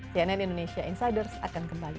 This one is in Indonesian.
cnn indonesia insiders akan kembali